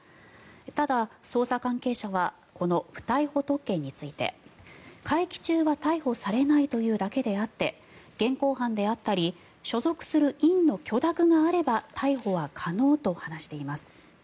ただ、捜査関係者はこの不逮捕特権について会期中は逮捕されないというだけであって現行犯であったり所属する院の許諾があれば逮捕は可能と話しています。